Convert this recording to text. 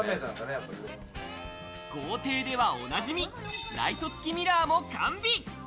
豪邸ではおなじみ、ライト付きミラーも完備。